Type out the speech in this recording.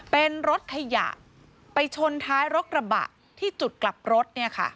เป็นรถขยะไปชนท้ายรถกระบะที่จุดกลับรถ